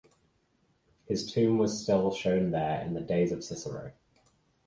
His tomb was still shown there in the days of Cicero.